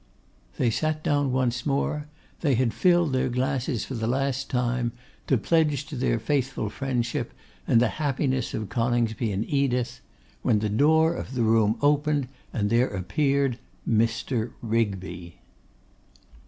They sat down once more; they had filled their glasses for the last time; to pledge to their faithful friendship, and the happiness of Coningsby and Edith; when the door of the room opened, and there appeared, MR. RIGBY!